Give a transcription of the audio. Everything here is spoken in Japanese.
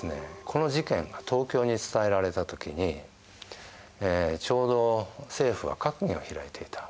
この事件が東京に伝えられた時にちょうど政府は閣議を開いていた。